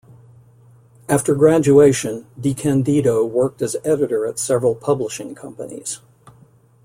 After graduation, DeCandido worked as editor at several publishing companies.